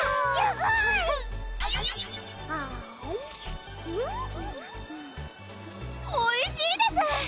ごいおいしいです！